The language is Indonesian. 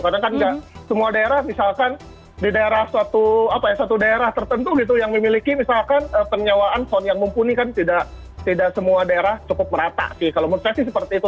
karena kan semua daerah misalkan di daerah suatu apa ya satu daerah tertentu gitu yang memiliki misalkan penyawaan sound yang mumpuni kan tidak semua daerah cukup merata sih kalau menurut saya sih seperti itu